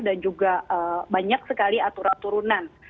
dan juga banyak sekali aturan turunan